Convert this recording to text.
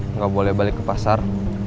nggak boleh balik ke pasar